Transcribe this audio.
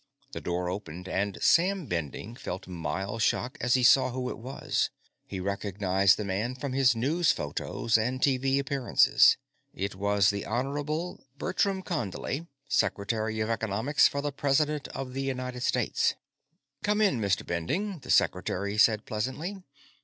The door opened, and Sam Bending felt mild shock as he saw who it was. He recognized the man from his news photos and TV appearances. It was the Honorable Bertram Condley, Secretary of Economics for the President of the United States. "Come in, Mr. Bending," the Secretary said pleasantly.